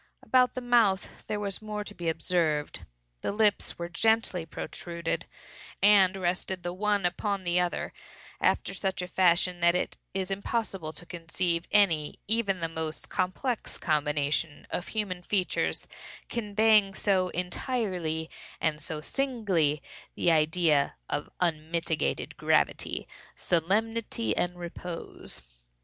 About the mouth there was more to be observed. The lips were gently protruded, and rested the one upon the other, after such a fashion that it is impossible to conceive any, even the most complex, combination of human features, conveying so entirely, and so singly, the idea of unmitigated gravity, solemnity and repose.